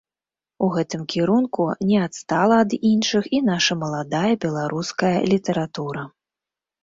У гэтым кірунку не адстала ад іншых і наша маладая беларуская літаратура.